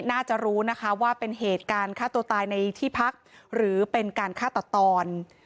น่าจะรู้นะคะว่าเป็นเหตุการณ์ฆ่าตัวตายในที่พักหรือเป็นการฆ่าตัดตอน